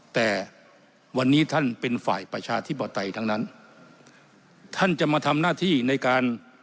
แต่วันนี้ท่านเป็นฝ่ายประชาธิปไตยทั้งนั้นท่านจะมาทำหน้าที่ในการ